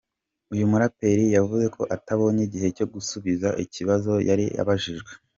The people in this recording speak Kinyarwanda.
Uyu muraperi yavuze ko atabonye igihe cyo gusubiza ikibazo yari abajijwe.